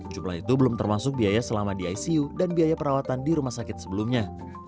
jumlah itu belum termasuk biaya selama di icu dan biaya perawatan di rumah sakit sebelumnya